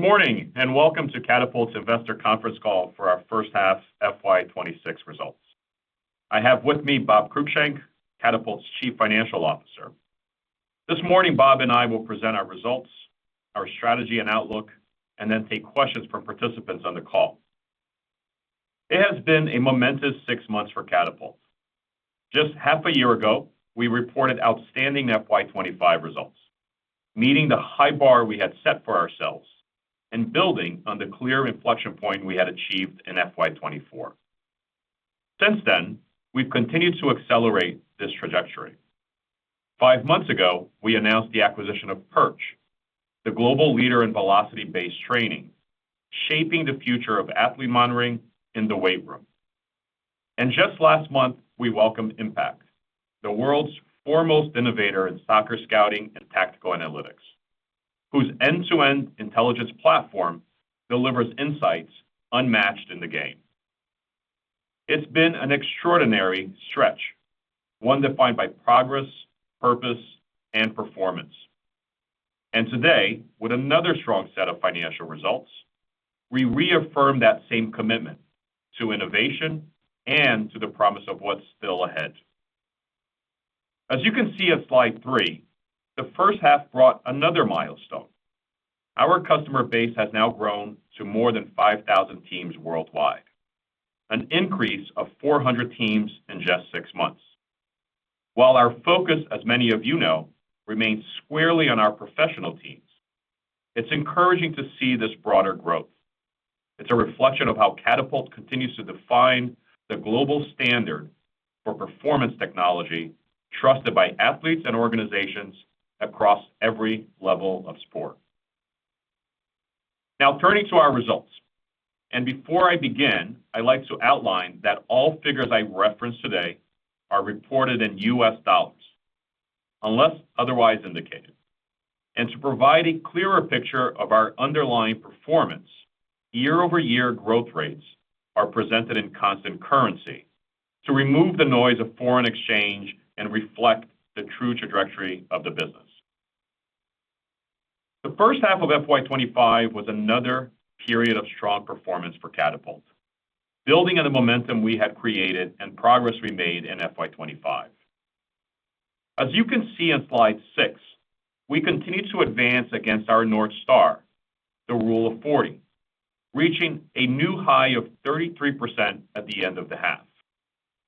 Good morning and welcome to Catapult's investor conference call for our first half FY 2026 results. I have with me Bob Cruickshank, Catapult's Chief Financial Officer. This morning, Bob and I will present our results, our strategy and outlook, and then take questions from participants on the call. It has been a momentous six months for Catapult. Just half a year ago, we reported outstanding FY 2025 results, meeting the high bar we had set for ourselves and building on the clear inflection point we had achieved in FY 2024. Since then, we've continued to accelerate this trajectory. Five months ago, we announced the acquisition of Perch, the global leader in velocity-based training, shaping the future of athlete monitoring in the weight room. Just last month, we welcomed IMPECT, the world's foremost innovator in soccer scouting and tactical analytics, whose end-to-end intelligence platform delivers insights unmatched in the game. It's been an extraordinary stretch, one defined by progress, purpose, and performance. Today, with another strong set of financial results, we reaffirm that same commitment to innovation and to the promise of what's still ahead. As you can see at slide three, the first half brought another milestone. Our customer base has now grown to more than 5,000 teams worldwide, an increase of 400 teams in just six months. While our focus, as many of you know, remains squarely on our professional teams, it's encouraging to see this broader growth. It's a reflection of how Catapult continues to define the global standard for performance technology trusted by athletes and organizations across every level of sport. Now, turning to our results. Before I begin, I'd like to outline that all figures I reference today are reported in US dollars, unless otherwise indicated. To provide a clearer picture of our underlying performance, year-over-year growth rates are presented in constant currency to remove the noise of foreign exchange and reflect the true trajectory of the business. The first half of FY 2025 was another period of strong performance for Catapult, building on the momentum we had created and progress we made in FY 2025. As you can see in slide six, we continue to advance against our North Star, the Rule of 40, reaching a new high of 33% at the end of the half,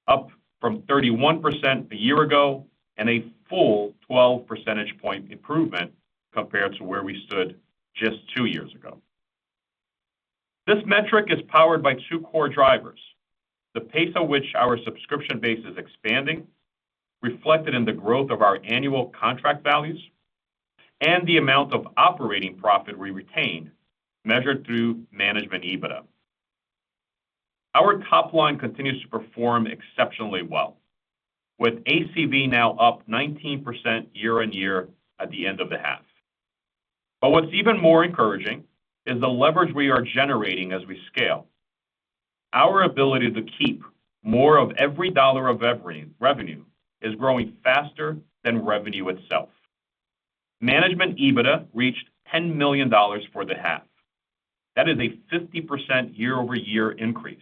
up from 31% a year ago and a full 12 percentage point improvement compared to where we stood just two years ago. This metric is powered by two core drivers: the pace at which our subscription base is expanding, reflected in the growth of our annual contract values, and the amount of operating profit we retain, measured through management EBITDA. Our top line continues to perform exceptionally well, with ACV now up 19% year-on-year at the end of the half. What is even more encouraging is the leverage we are generating as we scale. Our ability to keep more of every dollar of revenue is growing faster than revenue itself. Management EBITDA reached $10 million for the half. That is a 50% year-over-year increase,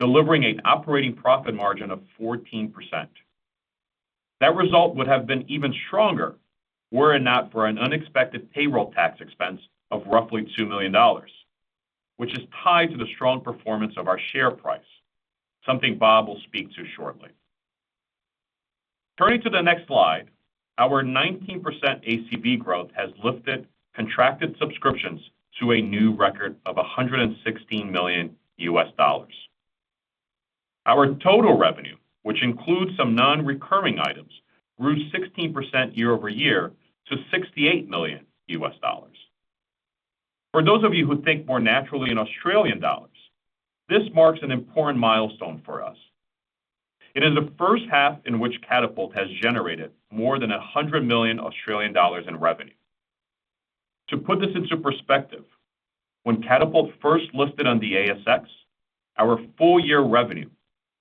delivering an operating profit margin of 14%. That result would have been even stronger were it not for an unexpected payroll tax expense of roughly $2 million, which is tied to the strong performance of our share price, something Bob will speak to shortly. Turning to the next slide, our 19% ACV growth has lifted contracted subscriptions to a new record of $116 million. Our total revenue, which includes some non-recurring items, grew 16% year-over-year to $68 million. For those of you who think more naturally in Australian dollars, this marks an important milestone for us. It is the first half in which Catapult has generated more than 100 million Australian dollars in revenue. To put this into perspective, when Catapult first listed on the ASX, our full-year revenue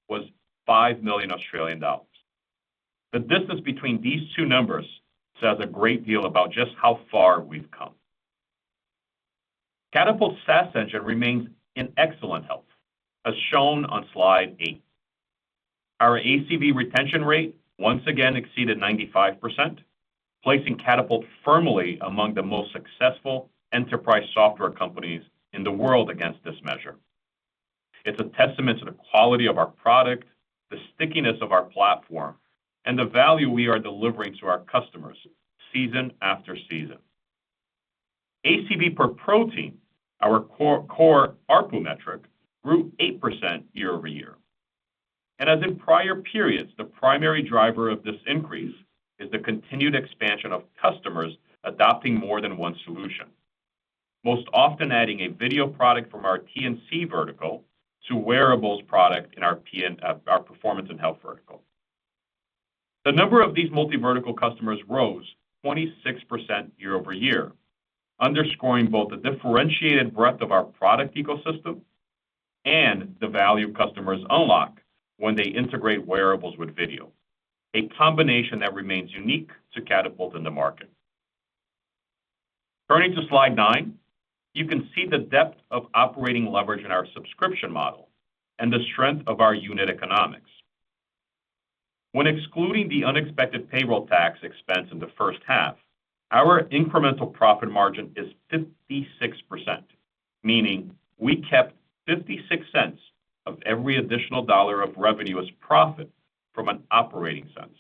was 5 million Australian dollars. The distance between these two numbers says a great deal about just how far we've come. Catapult's SaaS engine remains in excellent health, as shown on slide eight. Our ACV retention rate once again exceeded 95%, placing Catapult firmly among the most successful enterprise software companies in the world against this measure. It's a testament to the quality of our product, the stickiness of our platform, and the value we are delivering to our customers season after season. ACV per pro team, our core ARPU metric, grew 8% year-over-year. As in prior periods, the primary driver of this increase is the continued expansion of customers adopting more than one solution, most often adding a video product from our T&C vertical to wearables product in our performance and health vertical. The number of these multi-vertical customers rose 26% year-over-year, underscoring both the differentiated breadth of our product ecosystem and the value customers unlock when they integrate wearables with video, a combination that remains unique to Catapult in the market. Turning to slide nine, you can see the depth of operating leverage in our subscription model and the strength of our unit economics. When excluding the unexpected payroll tax expense in the first half, our incremental profit margin is 56%, meaning we kept 56 cents of every additional dollar of revenue as profit from an operating sense.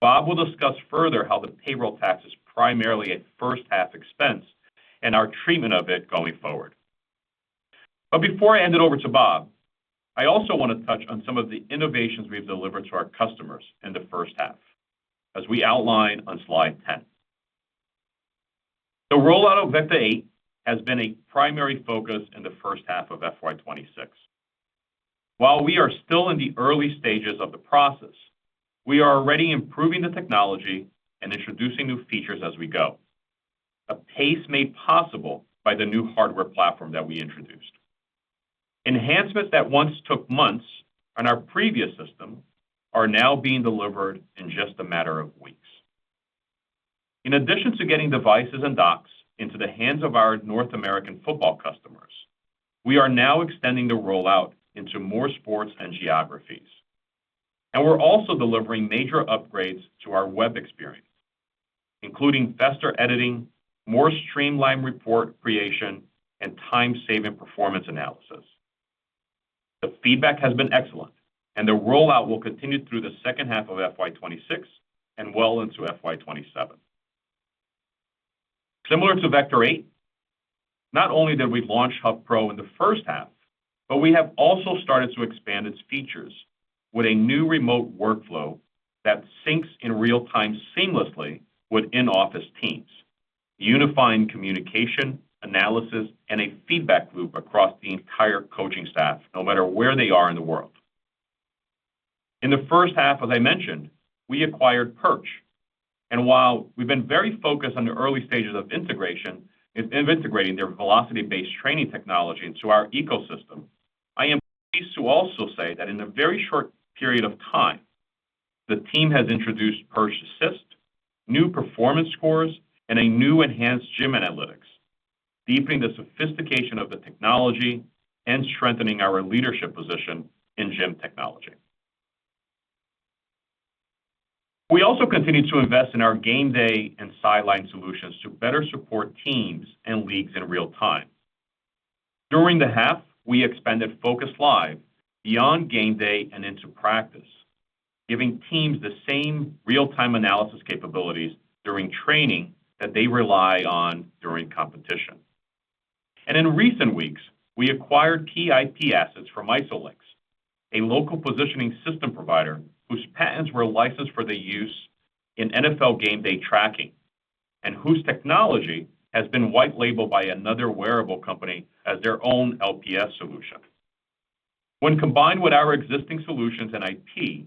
Bob will discuss further how the payroll tax is primarily a first-half expense and our treatment of it going forward. Before I hand it over to Bob, I also want to touch on some of the innovations we've delivered to our customers in the first half, as we outline on slide 10. The rollout of Vector 8 has been a primary focus in the first half of FY 2026. While we are still in the early stages of the process, we are already improving the technology and introducing new features as we go, a pace made possible by the new hardware platform that we introduced. Enhancements that once took months on our previous system are now being delivered in just a matter of weeks. In addition to getting devices and docks into the hands of our North American football customers, we are now extending the rollout into more sports and geographies. We are also delivering major upgrades to our web experience, including faster editing, more streamlined report creation, and time-saving performance analysis. The feedback has been excellent, and the rollout will continue through the second half of FY 2026 and well into FY 2027. Similar to Vector 8, not only did we launch Hub Pro in the first half, but we have also started to expand its features with a new remote workflow that syncs in real time seamlessly with in-office teams, unifying communication, analysis, and a feedback loop across the entire coaching staff, no matter where they are in the world. In the first half, as I mentioned, we acquired Perch. We have been very focused on the early stages of integrating their velocity-based training technology into our ecosystem. I am pleased to also say that in a very short period of time, the team has introduced Perch Assist, new performance scores, and new enhanced gym analytics, deepening the sophistication of the technology and strengthening our leadership position in gym technology. We also continue to invest in our game day and sideline solutions to better support teams and leagues in real time. During the half, we expanded Focus Live beyond game day and into practice, giving teams the same real-time analysis capabilities during training that they rely on during competition. In recent weeks, we acquired key IP assets from ISOLYX, a local positioning system provider whose patents were licensed for use in NFL game day tracking and whose technology has been white-labeled by another wearable company as their own LPS solution. When combined with our existing solutions and IP,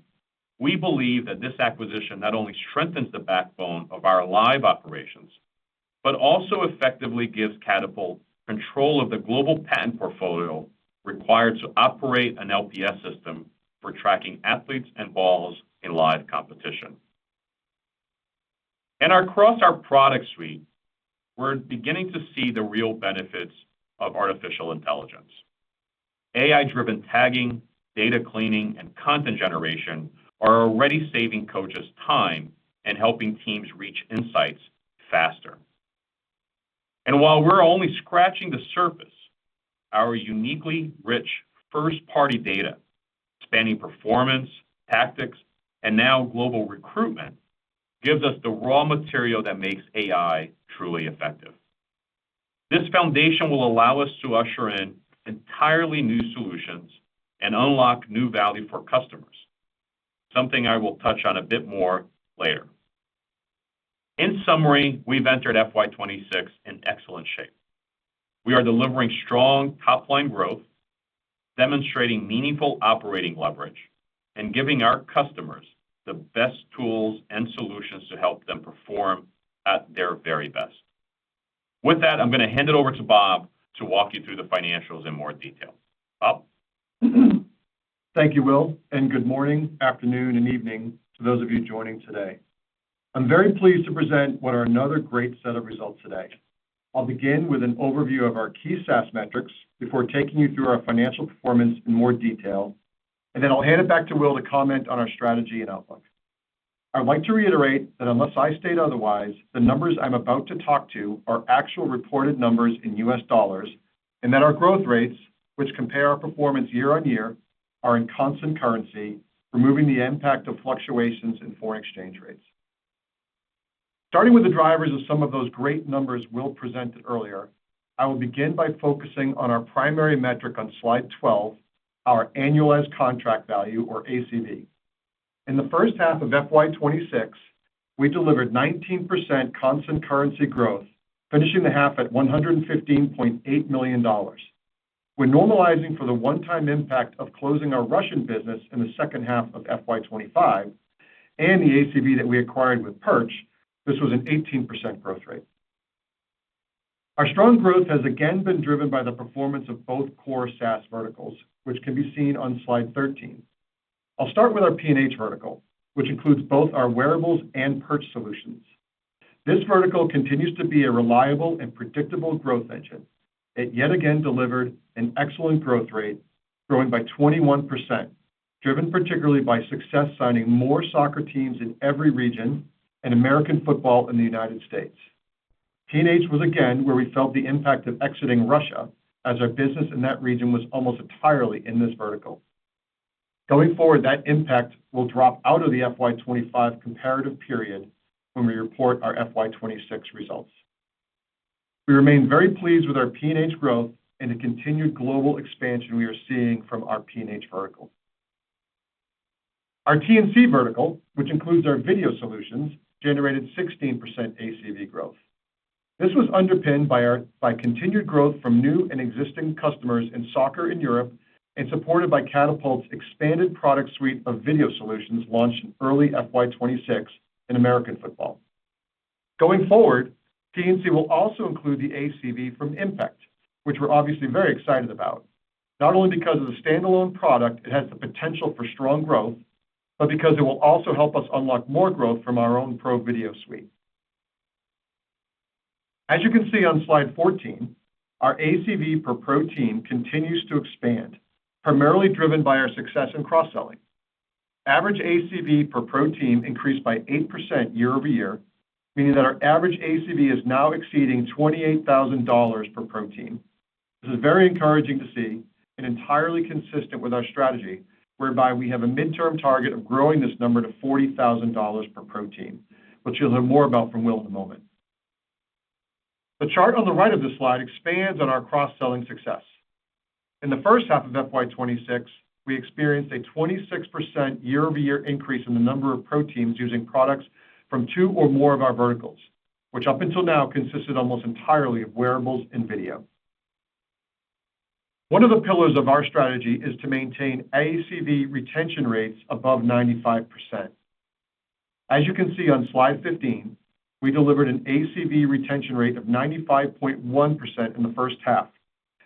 we believe that this acquisition not only strengthens the backbone of our live operations, but also effectively gives Catapult control of the global patent portfolio required to operate an LPS system for tracking athletes and balls in live competition. Across our product suite, we're beginning to see the real benefits of artificial intelligence. AI-driven tagging, data cleaning, and content generation are already saving coaches time and helping teams reach insights faster. While we're only scratching the surface, our uniquely rich first-party data, spanning performance, tactics, and now global recruitment, gives us the raw material that makes AI truly effective. This foundation will allow us to usher in entirely new solutions and unlock new value for customers, something I will touch on a bit more later. In summary, we've entered FY 2026 in excellent shape. We are delivering strong top-line growth, demonstrating meaningful operating leverage, and giving our customers the best tools and solutions to help them perform at their very best. With that, I'm going to hand it over to Bob to walk you through the financials in more detail. Bob? Thank you, Will. Good morning, afternoon, and evening to those of you joining today. I'm very pleased to present what are another great set of results today. I'll begin with an overview of our key SaaS metrics before taking you through our financial performance in more detail, and then I'll hand it back to Will to comment on our strategy and outlook. I'd like to reiterate that unless I state otherwise, the numbers I'm about to talk to are actual reported numbers in U.S. dollars and that our growth rates, which compare our performance year-on-year, are in constant currency, removing the impact of fluctuations in foreign exchange rates. Starting with the drivers of some of those great numbers Will presented earlier, I will begin by focusing on our primary metric on slide 12, our annualized contract value, or ACV. In the first half of FY 2026, we delivered 19% constant currency growth, finishing the half at $115.8 million. When normalizing for the one-time impact of closing our Russian business in the second half of FY 2025 and the ACV that we acquired with Perch, this was an 18% growth rate. Our strong growth has again been driven by the performance of both core SaaS verticals, which can be seen on slide 13. I'll start with our P&H vertical, which includes both our wearables and Perch solutions. This vertical continues to be a reliable and predictable growth engine. It yet again delivered an excellent growth rate, growing by 21%, driven particularly by success signing more soccer teams in every region and American football in the United States. P&H was again where we felt the impact of exiting Russia, as our business in that region was almost entirely in this vertical. Going forward, that impact will drop out of the FY 2025 comparative period when we report our FY 2026 results. We remain very pleased with our P&H growth and the continued global expansion we are seeing from our P&H vertical. Our T&C vertical, which includes our video solutions, generated 16% ACV growth. This was underpinned by continued growth from new and existing customers in soccer in Europe and supported by Catapult's expanded product suite of video solutions launched in early FY 2026 in American football. Going forward, T&C will also include the ACV from IMPECT, which we're obviously very excited about, not only because of the standalone product it has the potential for strong growth, but because it will also help us unlock more growth from our own Pro Video suite. As you can see on slide 14, our ACV per pro team continues to expand, primarily driven by our success in cross-selling. Average ACV per pro team increased by 8% year-over-year, meaning that our average ACV is now exceeding $28,000 per pro team. This is very encouraging to see and entirely consistent with our strategy, whereby we have a midterm target of growing this number to $40,000 per pro team, which you'll hear more about from Will in a moment. The chart on the right of this slide expands on our cross-selling success. In the first half of FY 2026, we experienced a 26% year-over-year increase in the number of pro teams using products from two or more of our verticals, which up until now consisted almost entirely of wearables and video. One of the pillars of our strategy is to maintain ACV retention rates above 95%. As you can see on slide 15, we delivered an ACV retention rate of 95.1% in the first half,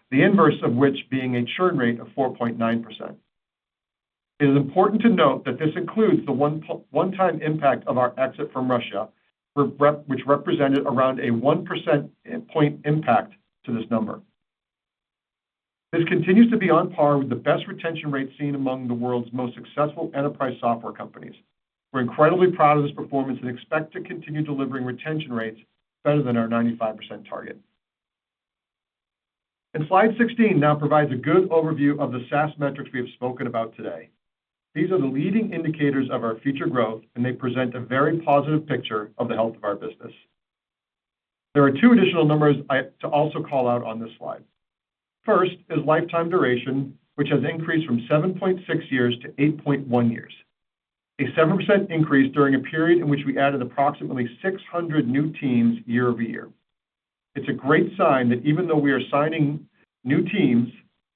the inverse of which being a churn rate of 4.9%. It is important to note that this includes the one-time impact of our exit from Russia, which represented around a 1% point impact to this number. This continues to be on par with the best retention rate seen among the world's most successful enterprise software companies. We're incredibly proud of this performance and expect to continue delivering retention rates better than our 95% target. Slide 16 now provides a good overview of the SaaS metrics we have spoken about today. These are the leading indicators of our future growth, and they present a very positive picture of the health of our business. There are two additional numbers to also call out on this slide. First is lifetime duration, which has increased from 7.6 years to 8.1 years, a 7% increase during a period in which we added approximately 600 new teams year-over-year. It's a great sign that even though we are signing new teams,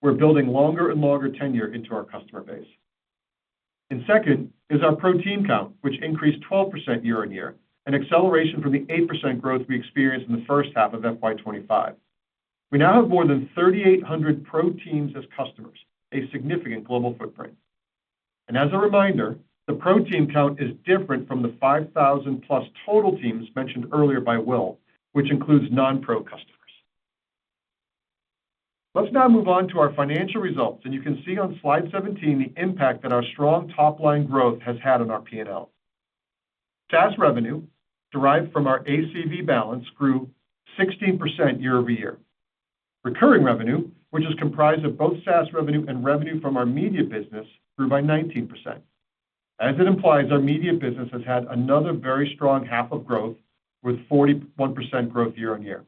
we're building longer and longer tenure into our customer base. Second is our Pro Team count, which increased 12% year-over-year, an acceleration from the 8% growth we experienced in the first half of FY 2025. We now have more than 3,800 pro teams as customers, a significant global footprint. As a reminder, the Pro Team count is different from the 5,000-plus total teams mentioned earlier by Will, which includes non-Pro customers. Let's now move on to our financial results, and you can see on slide 17 the impact that our strong top-line growth has had on our P&L. SaaS revenue derived from our ACV balance grew 16% year-over-year. Recurring revenue, which is comprised of both SaaS revenue and revenue from our media business, grew by 19%. As it implies, our media business has had another very strong half of growth with 41% growth year-over-year.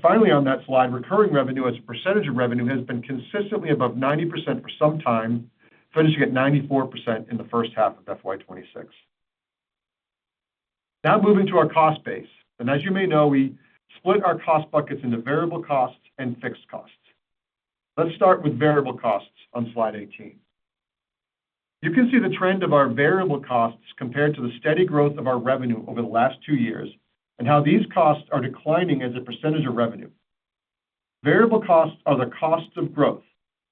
Finally, on that slide, recurring revenue as a percentage of revenue has been consistently above 90% for some time, finishing at 94% in the first half of FY 2026. Now moving to our cost base. As you may know, we split our cost buckets into variable costs and fixed costs. Let's start with variable costs on slide 18. You can see the trend of our variable costs compared to the steady growth of our revenue over the last two years and how these costs are declining as a percentage of revenue. Variable costs are the costs of growth,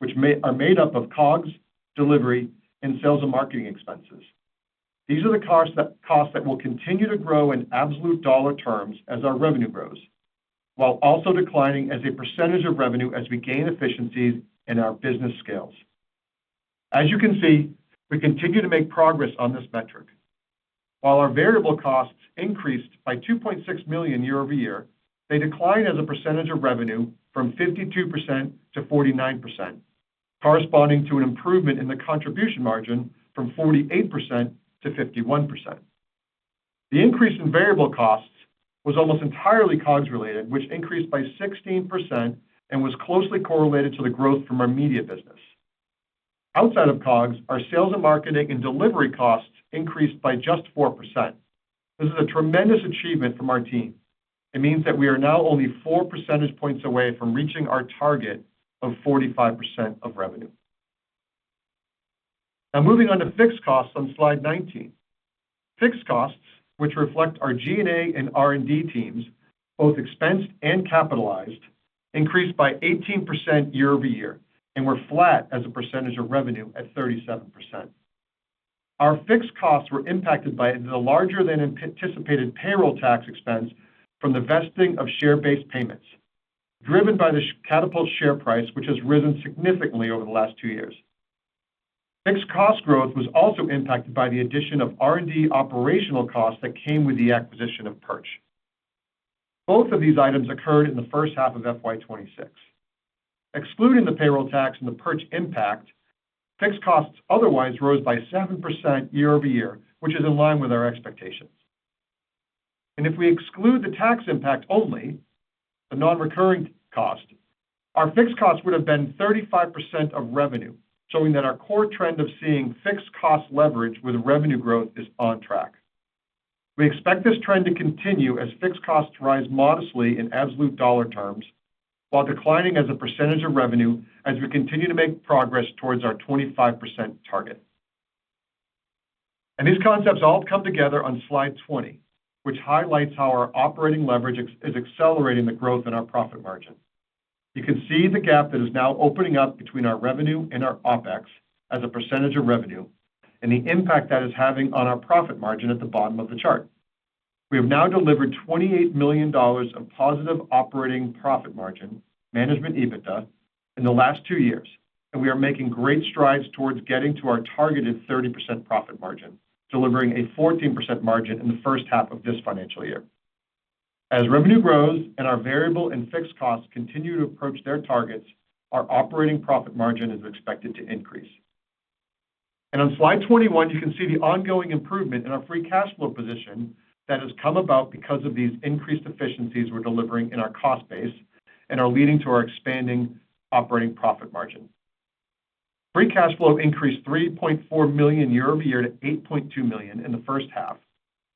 which are made up of COGS, delivery, and sales and marketing expenses. These are the costs that will continue to grow in absolute dollar terms as our revenue grows, while also declining as a percentage of revenue as we gain efficiencies in our business scales. As you can see, we continue to make progress on this metric. While our variable costs increased by $2.6 million year-over-year, they declined as a percentage of revenue from 52% to 49%, corresponding to an improvement in the contribution margin from 48% to 51%. The increase in variable costs was almost entirely COGS-related, which increased by 16% and was closely correlated to the growth from our media business. Outside of COGS, our sales and marketing and delivery costs increased by just 4%. This is a tremendous achievement from our team. It means that we are now only 4 percentage points away from reaching our target of 45% of revenue. Now moving on to fixed costs on slide 19. Fixed costs, which reflect our G&A and R&D teams, both expensed and capitalized, increased by 18% year-over-year and were flat as a percentage of revenue at 37%. Our fixed costs were impacted by the larger-than-anticipated payroll tax expense from the vesting of share-based payments, driven by the Catapult share price, which has risen significantly over the last two years. Fixed cost growth was also impacted by the addition of R&D operational costs that came with the acquisition of Perch. Both of these items occurred in the first half of FY 2026. Excluding the payroll tax and the Perch impact, fixed costs otherwise rose by 7% year-over-year, which is in line with our expectations. If we exclude the tax impact only, the non-recurring cost, our fixed costs would have been 35% of revenue, showing that our core trend of seeing fixed cost leverage with revenue growth is on track. We expect this trend to continue as fixed costs rise modestly in absolute dollar terms while declining as a percentage of revenue as we continue to make progress towards our 25% target. These concepts all come together on slide 20, which highlights how our operating leverage is accelerating the growth in our profit margin. You can see the gap that is now opening up between our revenue and our OpEx as a percentage of revenue and the impact that is having on our profit margin at the bottom of the chart. We have now delivered $28 million of positive operating profit margin, management EBITDA, in the last two years, and we are making great strides towards getting to our targeted 30% profit margin, delivering a 14% margin in the first half of this financial year. As revenue grows and our variable and fixed costs continue to approach their targets, our operating profit margin is expected to increase. On slide 21, you can see the ongoing improvement in our free cash flow position that has come about because of these increased efficiencies we are delivering in our cost base and are leading to our expanding operating profit margin. Free cash flow increased $3.4 million year-over-year to $8.2 million in the first half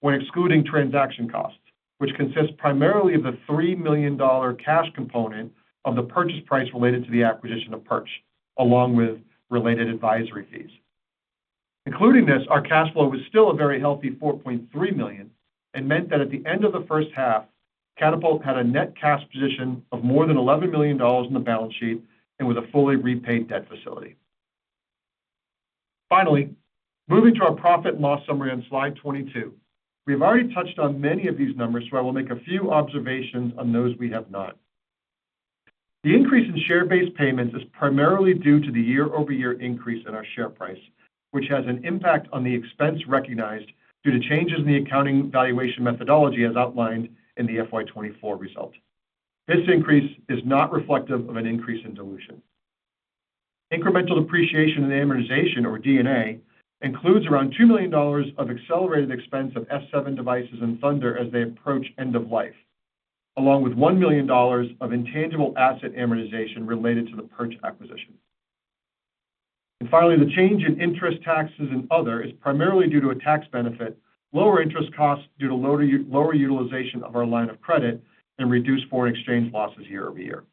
when excluding transaction costs, which consists primarily of the $3 million cash component of the purchase price related to the acquisition of Perch, along with related advisory fees. Including this, our cash flow was still a very healthy $4.3 million and meant that at the end of the first half, Catapult had a net cash position of more than $11 million in the balance sheet and with a fully repaid debt facility. Finally, moving to our profit and loss summary on slide 22, we have already touched on many of these numbers, so I will make a few observations on those we have not. The increase in share-based payments is primarily due to the year-over-year increase in our share price, which has an impact on the expense recognized due to changes in the accounting valuation methodology as outlined in the FY 2024 result. This increase is not reflective of an increase in dilution. Incremental depreciation and amortization, or D&A, includes around $2 million of accelerated expense of F7 devices and Thunder as they approach end of life, along with $1 million of intangible asset amortization related to the Perch acquisition. Finally, the change in interest taxes and other is primarily due to a tax benefit, lower interest costs due to lower utilization of our line of credit, and reduced foreign exchange losses year-over-year.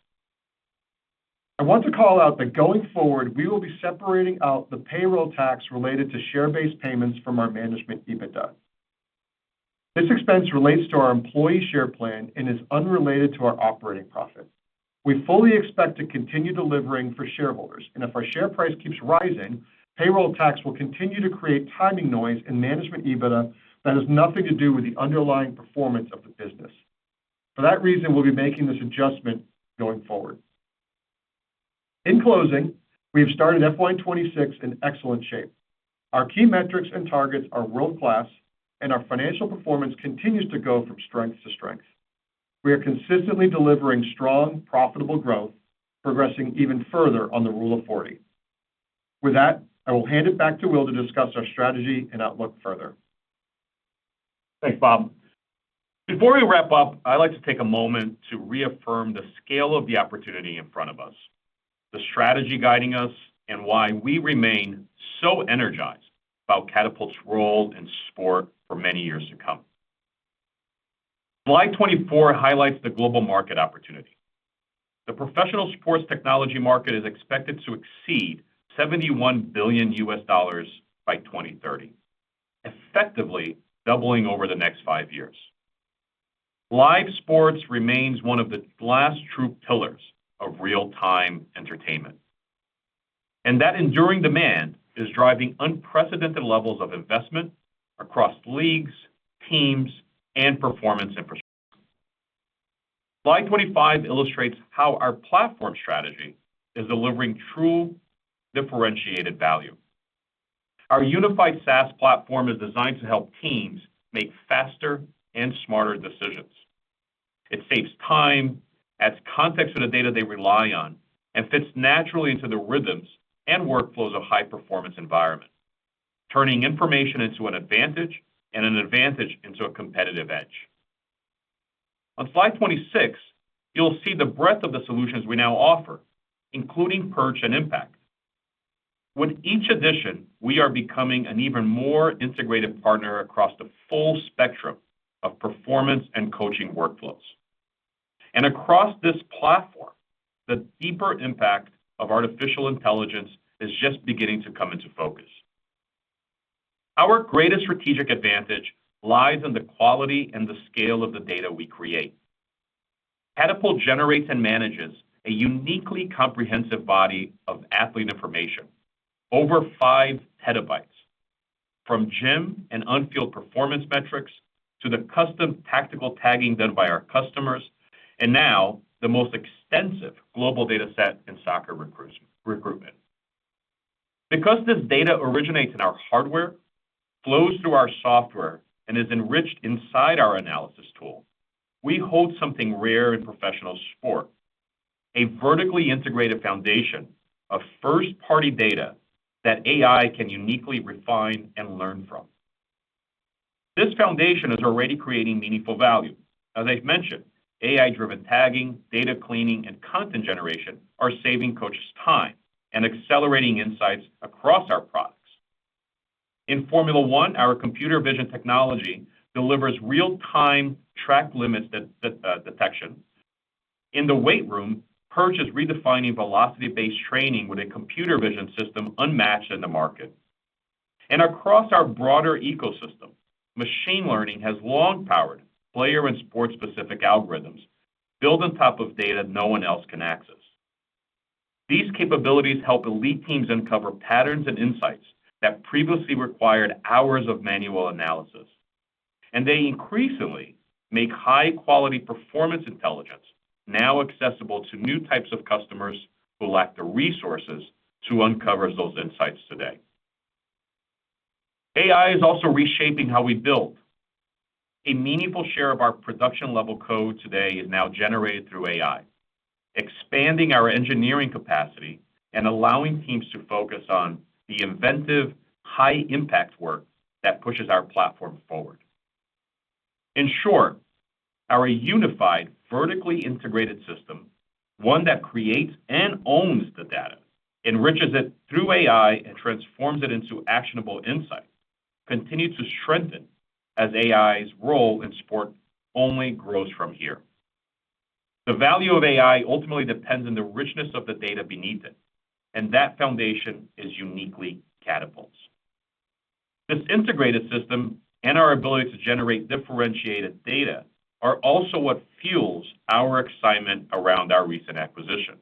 I want to call out that going forward, we will be separating out the payroll tax related to share-based payments from our management EBITDA. This expense relates to our employee share plan and is unrelated to our operating profit. We fully expect to continue delivering for shareholders, and if our share price keeps rising, payroll tax will continue to create timing noise in management EBITDA that has nothing to do with the underlying performance of the business. For that reason, we'll be making this adjustment going forward. In closing, we have started FY 2026 in excellent shape. Our key metrics and targets are world-class, and our financial performance continues to go from strength to strength. We are consistently delivering strong, profitable growth, progressing even further on the Rule of 40. With that, I will hand it back to Will to discuss our strategy and outlook further. Thanks, Bob. Before we wrap up, I'd like to take a moment to reaffirm the scale of the opportunity in front of us, the strategy guiding us, and why we remain so energized about Catapult's role in sport for many years to come. Slide 24 highlights the global market opportunity. The professional sports technology market is expected to exceed $71 billion by 2030, effectively doubling over the next five years. Live sports remains one of the last true pillars of real-time entertainment, and that enduring demand is driving unprecedented levels of investment across leagues, teams, and performance infrastructure. Slide 25 illustrates how our platform strategy is delivering true differentiated value. Our unified SaaS platform is designed to help teams make faster and smarter decisions. It saves time, adds context to the data they rely on, and fits naturally into the rhythms and workflows of high-performance environments, turning information into an advantage and an advantage into a competitive edge. On slide 26, you'll see the breadth of the solutions we now offer, including Perch and IMPECT. With each addition, we are becoming an even more integrated partner across the full spectrum of performance and coaching workflows. Across this platform, the deeper impact of artificial intelligence is just beginning to come into focus. Our greatest strategic advantage lies in the quality and the scale of the data we create. Catapult generates and manages a uniquely comprehensive body of athlete information, over 5 PB, from gym and on-field performance metrics to the custom tactical tagging done by our customers, and now the most extensive global data set in soccer recruitment. Because this data originates in our hardware, flows through our software, and is enriched inside our analysis tool, we hold something rare in professional sport: a vertically integrated foundation of first-party data that AI can uniquely refine and learn from. This foundation is already creating meaningful value. As I've mentioned, AI-driven tagging, data cleaning, and content generation are saving coaches time and accelerating insights across our products. In Formula 1, our computer vision technology delivers real-time track limits detection. In the weight room, Perch is redefining velocity-based training with a computer vision system unmatched in the market. Across our broader ecosystem, machine learning has long-powered player and sport-specific algorithms built on top of data no one else can access. These capabilities help elite teams uncover patterns and insights that previously required hours of manual analysis, and they increasingly make high-quality performance intelligence now accessible to new types of customers who lack the resources to uncover those insights today. AI is also reshaping how we build. A meaningful share of our production-level code today is now generated through AI, expanding our engineering capacity and allowing teams to focus on the inventive, high-impact work that pushes our platform forward. In short, our unified, vertically integrated system, one that creates and owns the data, enriches it through AI and transforms it into actionable insights, continues to strengthen as AI's role in sport only grows from here. The value of AI ultimately depends on the richness of the data beneath it, and that foundation is uniquely Catapult's. This integrated system and our ability to generate differentiated data are also what fuels our excitement around our recent acquisition.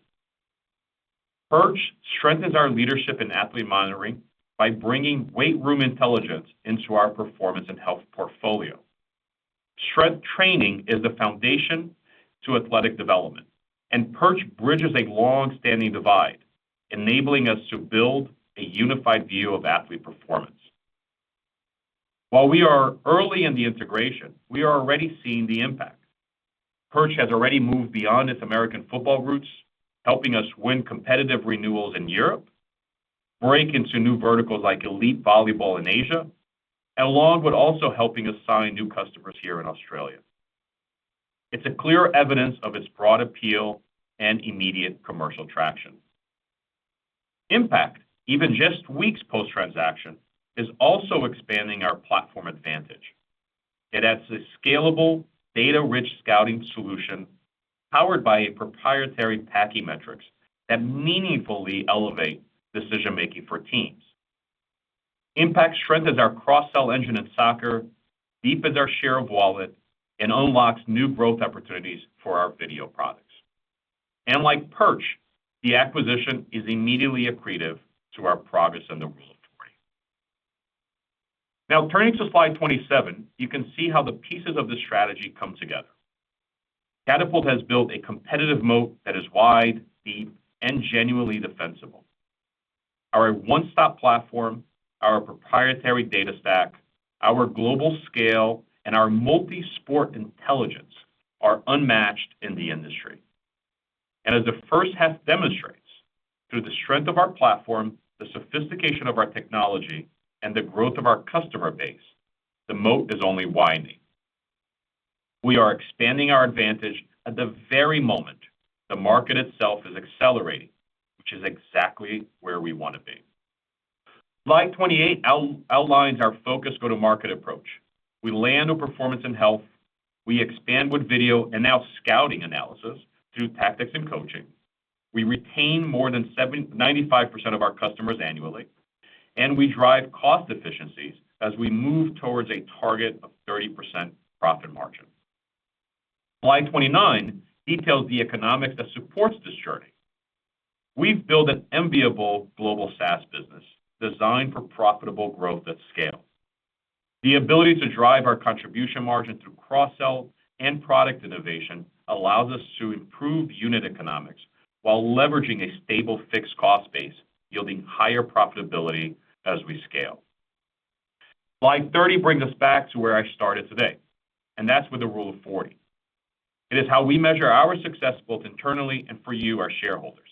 Perch strengthens our leadership in athlete monitoring by bringing weight room intelligence into our performance and health portfolio. Strength training is the foundation to athletic development, and Perch bridges a long-standing divide, enabling us to build a unified view of athlete performance. While we are early in the integration, we are already seeing the impact. Perch has already moved beyond its American football roots, helping us win competitive renewals in Europe, break into new verticals like elite volleyball in Asia, along with also helping us sign new customers here in Australia. It is clear evidence of its broad appeal and immediate commercial traction. IMPECT, even just weeks post-transaction, is also expanding our platform advantage. It adds a scalable, data-rich scouting solution powered by proprietary PACI metrics that meaningfully elevate decision-making for teams. IMPECT strengthens our cross-sell engine in soccer, deepens our share of wallet, and unlocks new growth opportunities for our video products. Like Perch, the acquisition is immediately accretive to our progress in the Rule of 40. Now, turning to slide 27, you can see how the pieces of the strategy come together. Catapult has built a competitive moat that is wide, deep, and genuinely defensible. Our one-stop platform, our proprietary data stack, our global scale, and our multi-sport intelligence are unmatched in the industry. As the first half demonstrates, through the strength of our platform, the sophistication of our technology, and the growth of our customer base, the moat is only widening. We are expanding our advantage at the very moment the market itself is accelerating, which is exactly where we want to be. Slide 28 outlines our focused go-to-market approach. We land on performance and health. We expand with video and now scouting analysis through tactics and coaching. We retain more than 95% of our customers annually, and we drive cost efficiencies as we move towards a target of 30% profit margin. Slide 29 details the economics that supports this journey. We have built an enviable global SaaS business designed for profitable growth at scale. The ability to drive our contribution margin through cross-sell and product innovation allows us to improve unit economics while leveraging a stable fixed cost base, yielding higher profitability as we scale. Slide 30 brings us back to where I started today, and that is with the Rule of 40. It is how we measure our success both internally and for you, our shareholders.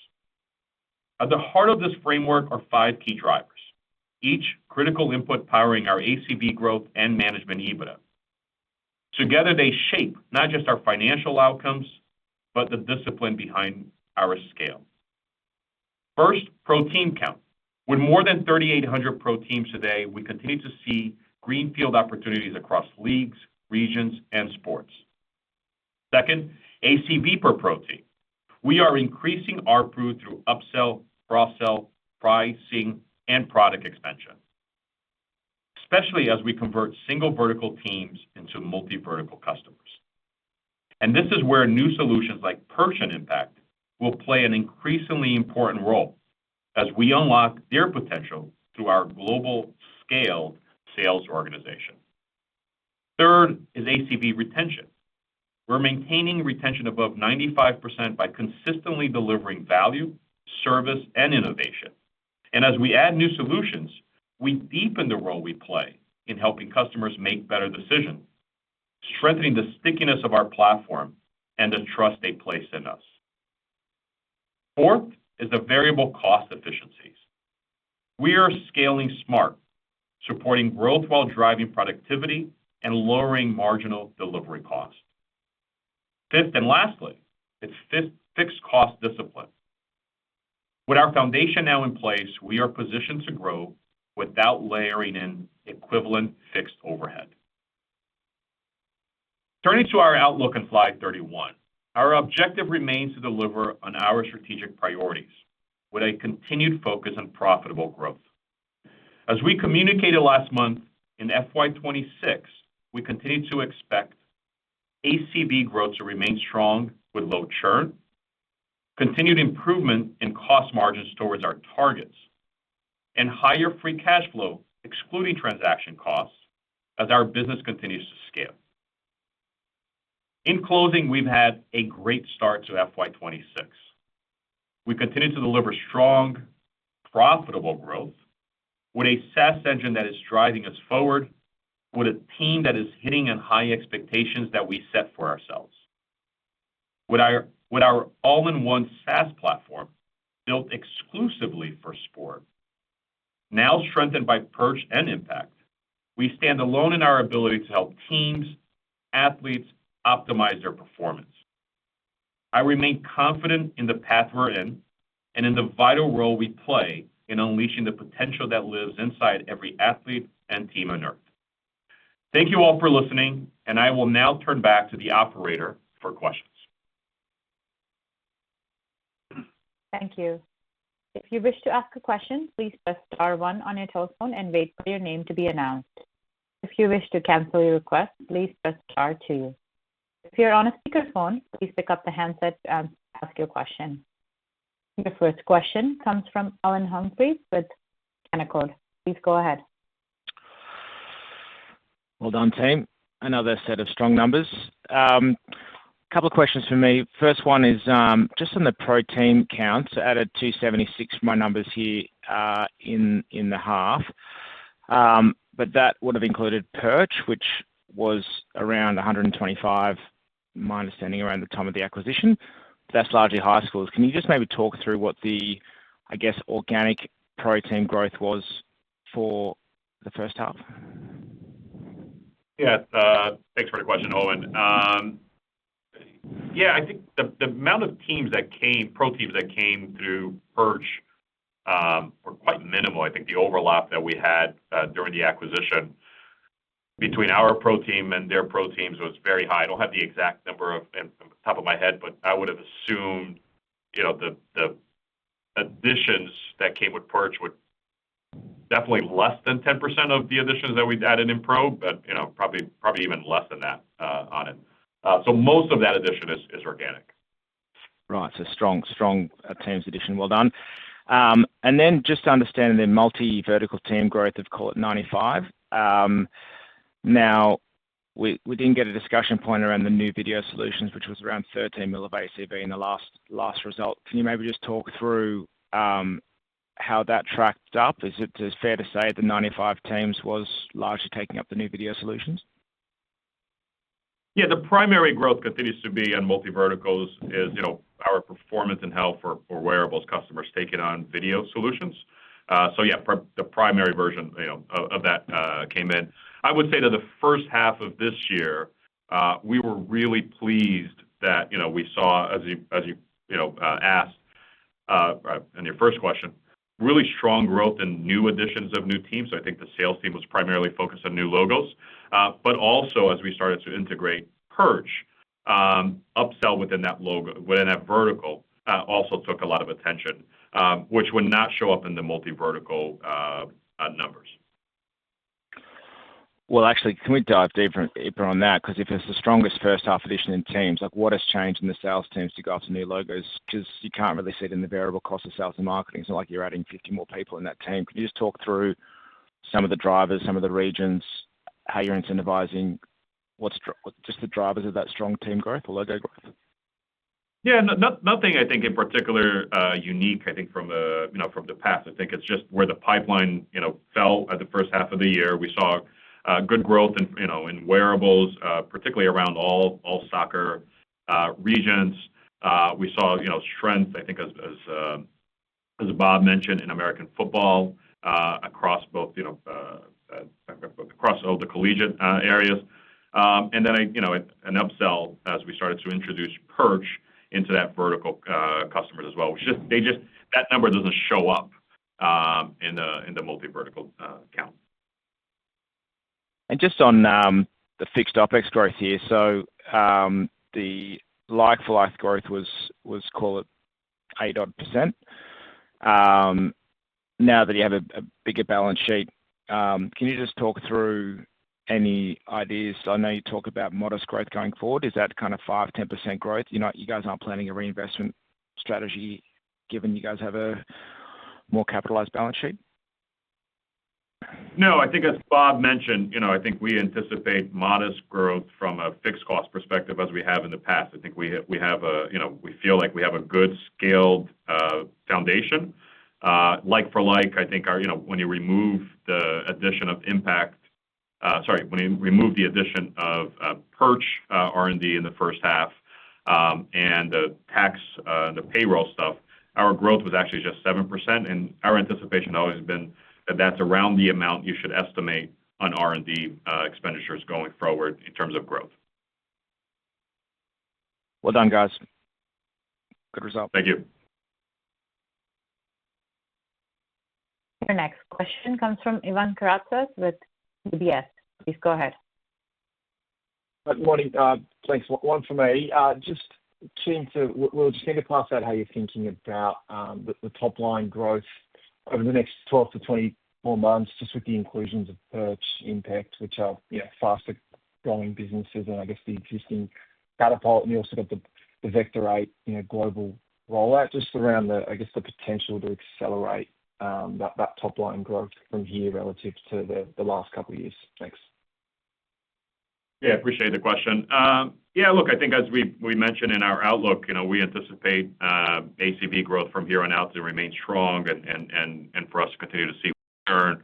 At the heart of this framework are five key drivers, each critical input powering our ACV growth and management EBITDA. Together, they shape not just our financial outcomes, but the discipline behind our scale. First, pro team count. With more than 3,800 pro teams today, we continue to see greenfield opportunities across leagues, regions, and sports. Second, ACV per pro team. We are increasing our proof through upsell, cross-sell, pricing, and product expansion, especially as we convert single vertical teams into multi-vertical customers. This is where new solutions like Perch and IMPECT will play an increasingly important role as we unlock their potential through our global-scale sales organization. Third is ACV retention. We're maintaining retention above 95% by consistently delivering value, service, and innovation. As we add new solutions, we deepen the role we play in helping customers make better decisions, strengthening the stickiness of our platform and the trust they place in us. Fourth is the variable cost efficiencies. We are scaling smart, supporting growth while driving productivity and lowering marginal delivery cost. Fifth and lastly, it's fixed cost discipline. With our foundation now in place, we are positioned to grow without layering in equivalent fixed overhead. Turning to our outlook in slide 31, our objective remains to deliver on our strategic priorities with a continued focus on profitable growth. As we communicated last month in FY 2026, we continue to expect ACV growth to remain strong with low churn, continued improvement in cost margins towards our targets, and higher free cash flow excluding transaction costs as our business continues to scale. In closing, we've had a great start to FY 2026. We continue to deliver strong, profitable growth with a SaaS engine that is driving us forward with a team that is hitting on high expectations that we set for ourselves. With our all-in-one SaaS platform built exclusively for sport, now strengthened by Perch and IMPECT, we stand alone in our ability to help teams, athletes optimize their performance. I remain confident in the path we're in and in the vital role we play in unleashing the potential that lives inside every athlete and team on Earth. Thank you all for listening, and I will now turn back to the operator for questions. Thank you. If you wish to ask a question, please press star one on your telephone and wait for your name to be announced. If you wish to cancel your request, please press star two. If you're on a speakerphone, please pick up the handset and ask your question. Your first question comes from Owen Humphries with Canaccord. Please go ahead. Another set of strong numbers. A couple of questions for me. First one is just on the pro team counts. I added 276 from my numbers here in the half, but that would have included Perch, which was around 125, my understanding, around the time of the acquisition. That is largely high schools. Can you just maybe talk through what the, I guess, organic pro team growth was for the first half? Yeah. Thanks for the question, Owen. Yeah, I think the amount of teams that came, pro teams that came through Perch were quite minimal. I think the overlap that we had during the acquisition between our pro team and their pro teams was very high. I do not have the exact number off the top of my head, but I would have assumed the additions that came with Perch were definitely less than 10% of the additions that we added in pro, but probably even less than that on it. Most of that addition is organic. Right. Strong teams addition. Well done. Just to understand the multi-vertical team growth of, call it, 95. We did not get a discussion point around the new video solutions, which was around $13 million of ACV in the last result. Can you maybe just talk through how that tracked up? Is it fair to say the 95 teams was largely taking up the new video solutions? Yeah. The primary growth continues to be on multi-verticals is our performance and health for where most customers take it on video solutions. Yeah, the primary version of that came in. I would say that the first half of this year, we were really pleased that we saw, as you asked in your first question, really strong growth in new additions of new teams. I think the sales team was primarily focused on new logos. Also, as we started to integrate Perch, upsell within that vertical also took a lot of attention, which would not show up in the multi-vertical numbers. Actually, can we dive deeper on that? Because if it's the strongest first-half addition in teams, what has changed in the sales teams to go off to new logos? Because you can't really see it in the variable cost of sales and marketing. It's not like you're adding 50 more people in that team. Can you just talk through some of the drivers, some of the regions, how you're incentivizing just the drivers of that strong team growth or logo growth? Yeah. Nothing, I think, in particular unique, I think, from the past. I think it's just where the pipeline fell at the first half of the year. We saw good growth in wearables, particularly around all soccer regions. We saw strength, I think, as Bob mentioned, in American football across all the collegiate areas. Then an upsell as we started to introduce Perch into that vertical customers as well. That number doesn't show up in the multi-vertical count. Just on the fixed OpEx growth here, the like-for-like growth was, call it, 8% odd. Now that you have a bigger balance sheet, can you just talk through any ideas? I know you talk about modest growth going forward. Is that kind of 5-10% growth? You guys aren't planning a reinvestment strategy given you guys have a more capitalized balance sheet? No. I think, as Bob mentioned, I think we anticipate modest growth from a fixed cost perspective as we have in the past. I think we have a we feel like we have a good scaled foundation. Like-for-like, I think when you remove the addition of IMPECT sorry, when you remove the addition of Perch R&D in the first half and the tax and the payroll stuff, our growth was actually just 7%. Our anticipation has always been that that's around the amount you should estimate on R&D expenditures going forward in terms of growth. Well done, guys. Good result. Thank you. Our next question comes from Evan Karatzas with UBS. Please go ahead. Good morning. Thanks. One for me. Just we'll just need to pass out how you're thinking about the top-line growth over the next 12 to 24 months, just with the inclusions of Perch, IMPECT, which are faster-growing businesses and, I guess, the existing Catapult. You also got the Vector 8 global rollout, just around, I guess, the potential to accelerate that top-line growth from here relative to the last couple of years. Thanks. Yeah. Appreciate the question. Yeah. Look, I think as we mentioned in our outlook, we anticipate ACV growth from here on out to remain strong and for us to continue to see churn.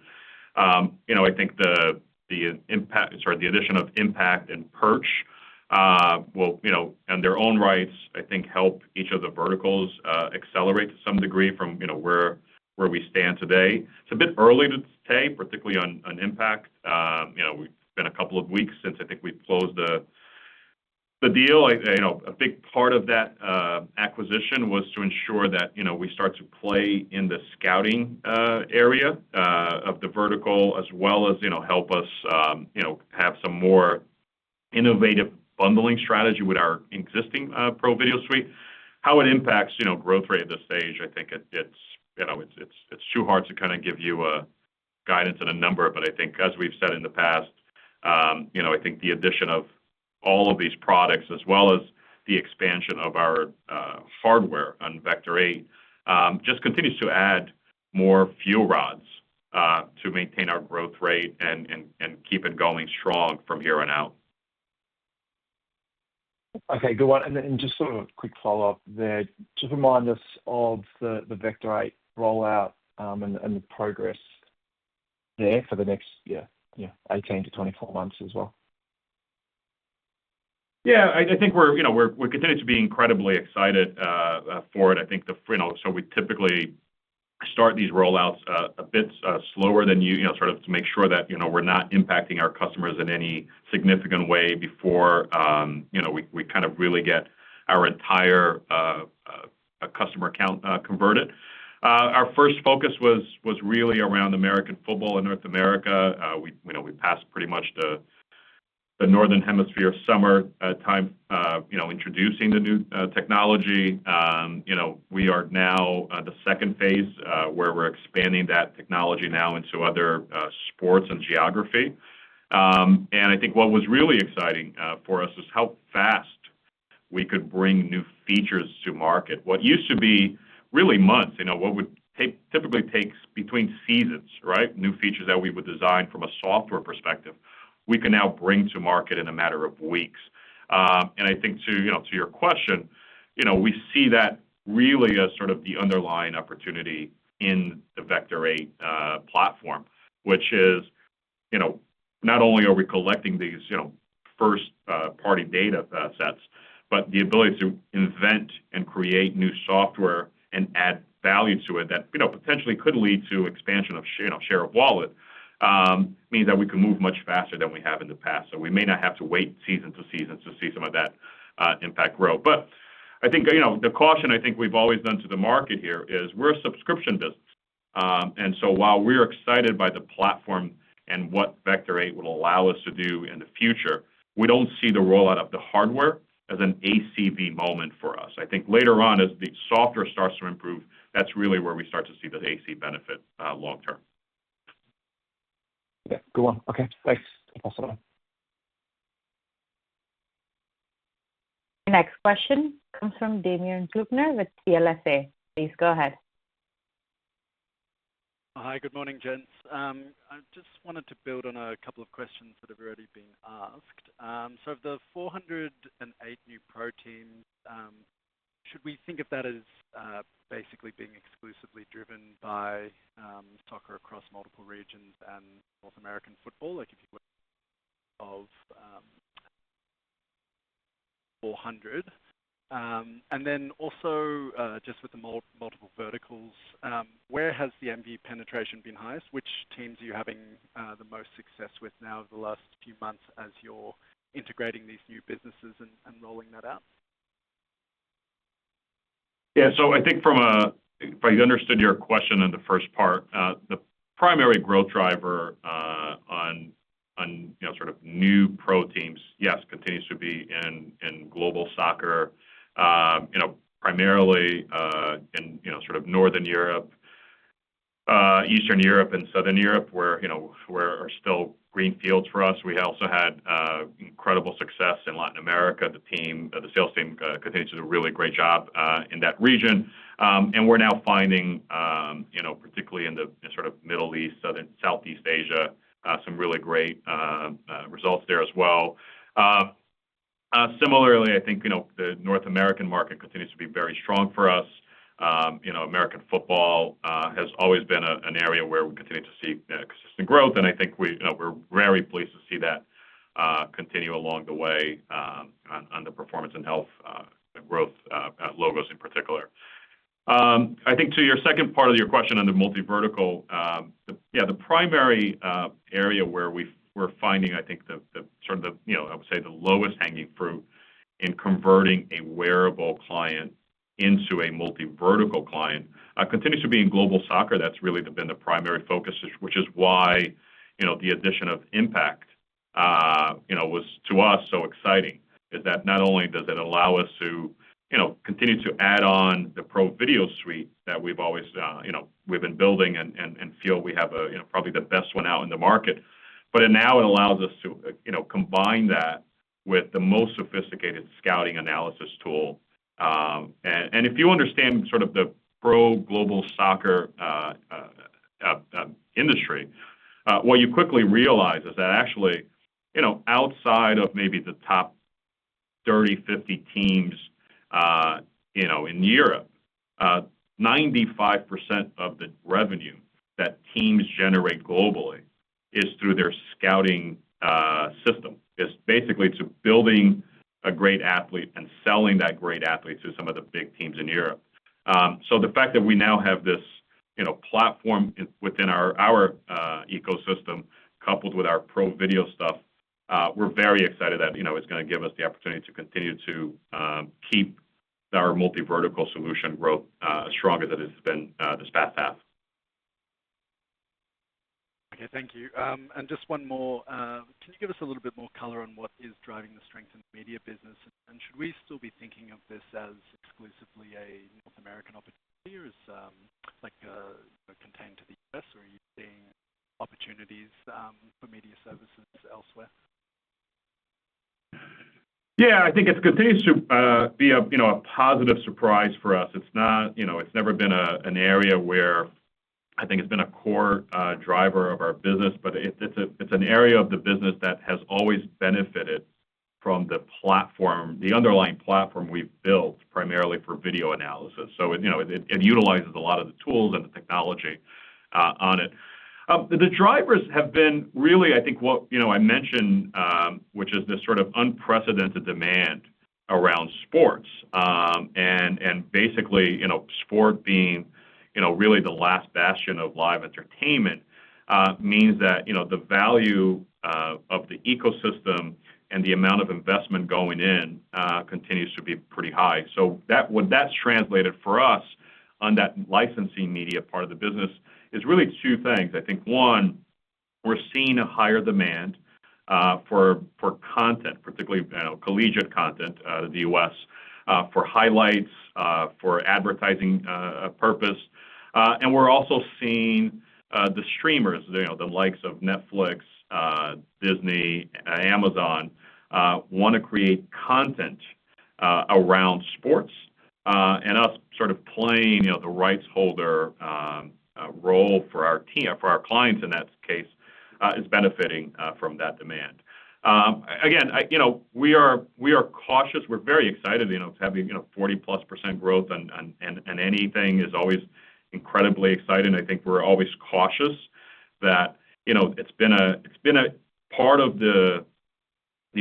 I think the addition of IMPECT and Perch will, in their own rights, I think, help each of the verticals accelerate to some degree from where we stand today. It's a bit early to say, particularly on IMPECT. It's been a couple of weeks since I think we closed the deal. A big part of that acquisition was to ensure that we start to play in the scouting area of the vertical, as well as help us have some more innovative bundling strategy with our existing Pro Video suite. How it impacts growth rate at this stage, I think it's too hard to kind of give you guidance on a number, but I think, as we've said in the past, I think the addition of all of these products, as well as the expansion of our hardware on Vector 8, just continues to add more fuel rods to maintain our growth rate and keep it going strong from here on out. Okay. Good one. And then just sort of a quick follow-up there. Just remind us of the Vector 8 rollout and the progress there for the next, yeah, 18 to 24 months as well. Yeah. I think we're continuing to be incredibly excited for it. I think we typically start these rollouts a bit slower than usual, sort of to make sure that we're not impacting our customers in any significant way before we kind of really get our entire customer count converted. Our first focus was really around American football in North America. We passed pretty much the northern hemisphere summer time introducing the new technology. We are now in the second phase where we're expanding that technology now into other sports and geography. I think what was really exciting for us is how fast we could bring new features to market. What used to be really months, what would typically take between seasons, right, new features that we would design from a software perspective, we can now bring to market in a matter of weeks. I think to your question, we see that really as sort of the underlying opportunity in the Vector 8 platform, which is not only are we collecting these first-party data sets, but the ability to invent and create new software and add value to it that potentially could lead to expansion of share of wallet means that we can move much faster than we have in the past. We may not have to wait season to season to see some of that impact grow. I think the caution I think we've always done to the market here is we're a subscription business. While we're excited by the platform and what Vector 8 will allow us to do in the future, we don't see the rollout of the hardware as an ACV moment for us. I think later on, as the software starts to improve, that's really where we start to see the ACV benefit long-term. Yeah. Good one. Okay. Thanks. Awesome. Our next question comes from Damen Kloeckner with CLSA. Please go ahead. Hi. Good morning, gents. I just wanted to build on a couple of questions that have already been asked. Of the 408 new pro teams, should we think of that as basically being exclusively driven by soccer across multiple regions and North American football, like if you were of 400? Also, just with the multiple verticals, where has the MV penetration been highest? Which teams are you having the most success with now over the last few months as you're integrating these new businesses and rolling that out? Yeah. So I think from a if I understood your question in the first part, the primary growth driver on sort of new pro teams, yes, continues to be in global soccer, primarily in sort of Northern Europe, Eastern Europe, and Southern Europe, where are still greenfields for us. We also had incredible success in Latin America. The sales team continues to do a really great job in that region. We are now finding, particularly in the sort of Middle East, South East Asia, some really great results there as well. Similarly, I think the North American market continues to be very strong for us. American football has always been an area where we continue to see consistent growth. I think we are very pleased to see that continue along the way on the performance and health growth logos in particular. I think to your second part of your question on the multi-vertical, yeah, the primary area where we're finding, I think, sort of the, I would say, the lowest hanging fruit in converting a wearable client into a multi-vertical client continues to be in global soccer. That's really been the primary focus, which is why the addition of IMPECT was, to us, so exciting, is that not only does it allow us to continue to add on the Pro Video suite that we've always been building and feel we have probably the best one out in the market, but now it allows us to combine that with the most sophisticated scouting analysis tool. If you understand sort of the pro global soccer industry, what you quickly realize is that actually, outside of maybe the top 30, 50 teams in Europe, 95% of the revenue that teams generate globally is through their scouting system. It is basically to building a great athlete and selling that great athlete to some of the big teams in Europe. The fact that we now have this platform within our ecosystem coupled with our pro video stuff, we are very excited that it is going to give us the opportunity to continue to keep our multi-vertical solution growth as strong as it has been this past half. Okay. Thank you. Just one more. Can you give us a little bit more color on what is driving the strength in the media business? Should we still be thinking of this as exclusively a North American opportunity, or is it contained to the U.S., or are you seeing opportunities for media services elsewhere? Yeah. I think it continues to be a positive surprise for us. It's never been an area where I think it's been a core driver of our business, but it's an area of the business that has always benefited from the underlying platform we've built primarily for video analysis. It utilizes a lot of the tools and the technology on it. The drivers have been really, I think, what I mentioned, which is this sort of unprecedented demand around sports. Basically, sport being really the last bastion of live entertainment means that the value of the ecosystem and the amount of investment going in continues to be pretty high. What that's translated for us on that licensing media part of the business is really two things. I think, one, we're seeing a higher demand for content, particularly collegiate content in the U.S., for highlights, for advertising purpose. We are also seeing the streamers, the likes of Netflix, Disney, Amazon, want to create content around sports. Us sort of playing the rights holder role for our clients, in that case, is benefiting from that demand. Again, we are cautious. We are very excited to have 40%+ growth, and anything is always incredibly exciting. I think we are always cautious that it has been a part of the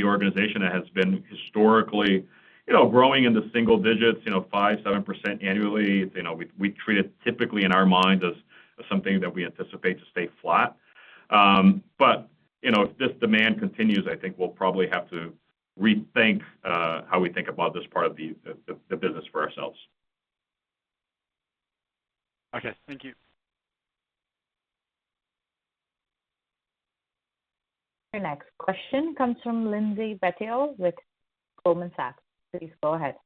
organization that has been historically growing in the single digits, 5%-7% annually. We treat it typically in our minds as something that we anticipate to stay flat. If this demand continues, I think we will probably have to rethink how we think about this part of the business for ourselves. Okay. Thank you. Our next question comes from Lindsay Bettiol with Goldman Sachs. Please go ahead.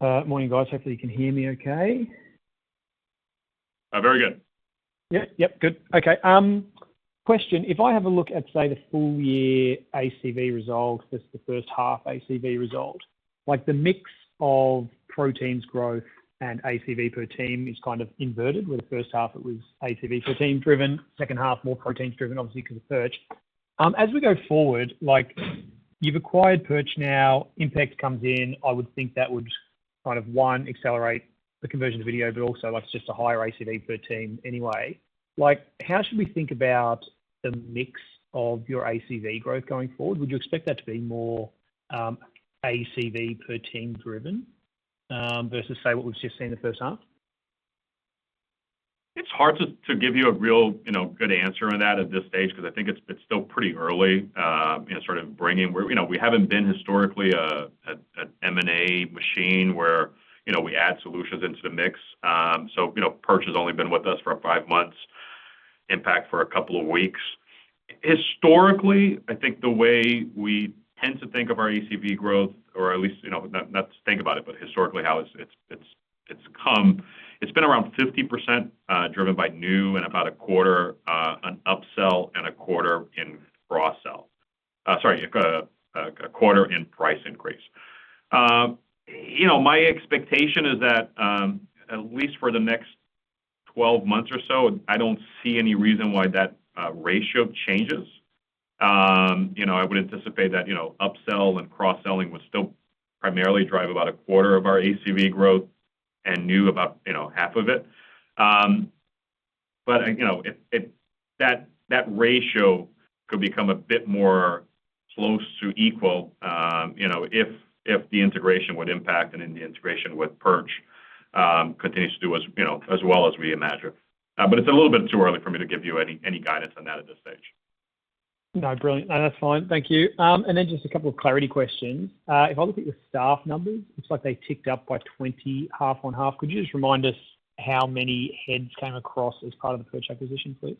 Morning, guys. Hopefully, you can hear me okay. Very good. Yeah. Yep. Good. Okay. Question. If I have a look at, say, the full-year ACV result, just the first half ACV result, the mix of pro teams growth and ACV per team is kind of inverted, where the first half, it was ACV per team driven, second half, more pro teams driven, obviously, because of Perch. As we go forward, you've acquired Perch now, IMPECT comes in. I would think that would kind of, one, accelerate the conversion to video, but also, it's just a higher ACV per team anyway. How should we think about the mix of your ACV growth going forward? Would you expect that to be more ACV per team driven versus, say, what we've just seen the first half? It's hard to give you a real good answer on that at this stage because I think it's still pretty early in sort of bringing, we haven't been historically an M&A machine where we add solutions into the mix. So Perch has only been with us for five months, IMPECT for a couple of weeks. Historically, I think the way we tend to think of our ACV growth, or at least not to think about it, but historically, how it's come, it's been around 50% driven by new and about a quarter on upsell and a quarter in cross-sell. Sorry, a quarter in price increase. My expectation is that at least for the next 12 months or so, I don't see any reason why that ratio changes. I would anticipate that upsell and cross-selling would still primarily drive about a quarter of our ACV growth and new about half of it. That ratio could become a bit more close to equal if the integration with IMPECT and then the integration with Perch continues to do as well as we imagine. It is a little bit too early for me to give you any guidance on that at this stage. No, brilliant. That's fine. Thank you. Just a couple of clarity questions. If I look at your staff numbers, it's like they ticked up by 20, half on half. Could you just remind us how many heads came across as part of the Perch acquisition, please?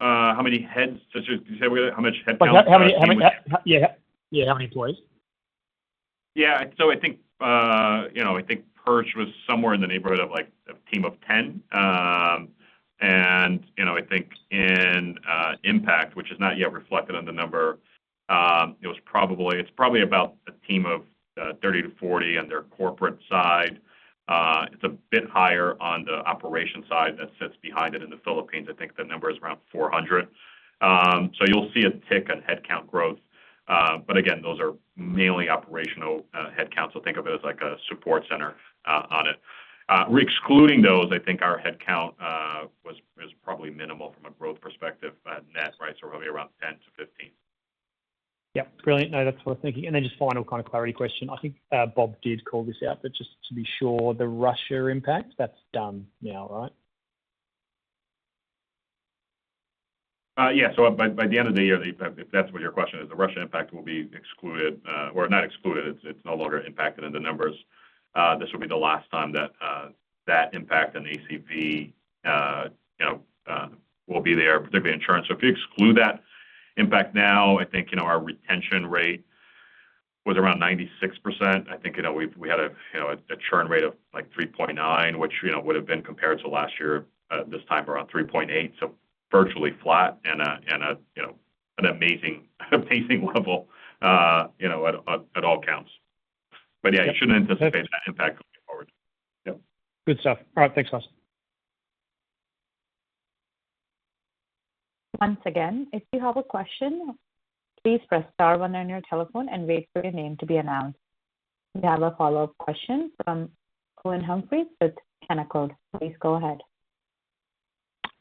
How many heads? Did you say how much head count? Yeah. Yeah. How many employees? Yeah. So I think Perch was somewhere in the neighborhood of a team of 10. And I think in IMPECT, which is not yet reflected on the number, it's probably about a team of 30 to 40 on their corporate side. It's a bit higher on the operation side that sits behind it in the Philippines. I think the number is around 400. You will see a tick on headcount growth. Again, those are mainly operational headcount. Think of it as like a support center on it. Excluding those, I think our headcount was probably minimal from a growth perspective net, right, so probably around 10 to 15. Yep. Brilliant. No, that's fine. Thank you. And then just final kind of clarity question. I think Bob did call this out, but just to be sure, the Russia impact, that's done now, right? Yeah. So by the end of the year, if that's what your question is, the Russia impact will be excluded or not excluded. It's no longer impacted in the numbers. This will be the last time that that impact on ACV will be there, particularly insurance. If you exclude that impact now, I think our retention rate was around 96%. I think we had a churn rate of like 3.9%, which would have been compared to last year at this time around 3.8%, so virtually flat and an amazing level at all counts. Yeah, you shouldn't anticipate that impact going forward. Yep. Good stuff. All right. Thanks, guys. Once again, if you have a question, please press star one on your telephone and wait for your name to be announced. We have a follow-up question from Owen Humphries with Canaccord. Please go ahead.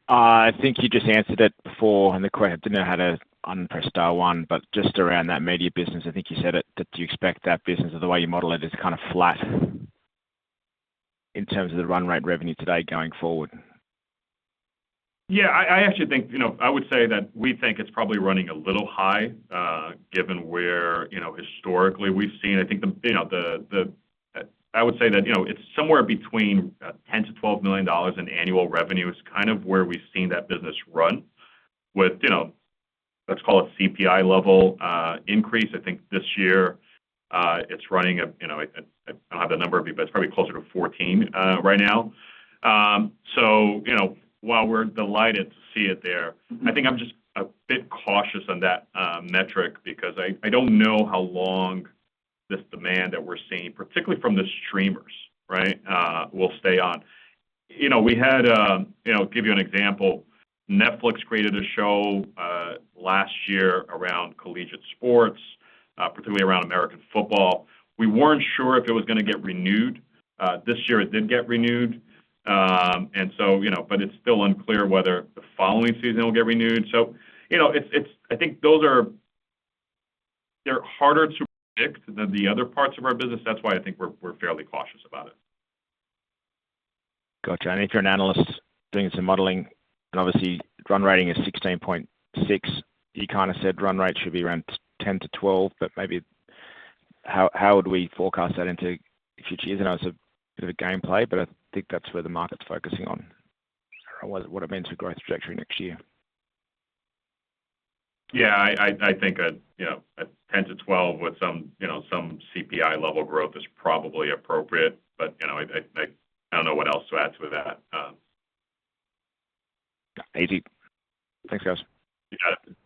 I think you just answered it before, and I didn't know how to unpress star one, but just around that media business, I think you said that you expect that business, or the way you model it, is kind of flat in terms of the run rate revenue today going forward. Yeah. I actually think I would say that we think it's probably running a little high given where historically we've seen. I think the, I would say that it's somewhere between $10 million-$12 million in annual revenue is kind of where we've seen that business run with, let's call it, CPI level increase. I think this year it's running at, I don't have the number, but it's probably closer to $14 million right now. While we're delighted to see it there, I think I'm just a bit cautious on that metric because I don't know how long this demand that we're seeing, particularly from the streamers, right, will stay on. We had, to give you an example, Netflix created a show last year around collegiate sports, particularly around American football. We weren't sure if it was going to get renewed. This year it did get renewed. It is still unclear whether the following season it will get renewed. I think those are harder to predict than the other parts of our business. That is why I think we are fairly cautious about it. Gotcha. If you're an analyst doing some modeling, and obviously, run rating is $16.6 million. Econ has said run rate should be around $10 million-$12 million, but maybe how would we forecast that into future years? I know it's a bit of a gameplay, but I think that's where the market's focusing on or what it means for growth trajectory next year. Yeah. I think a $10 million-$12 million with some CPI level growth is probably appropriate, but I don't know what else to add to that. Easy. Thanks, guys. You got it. Thanks.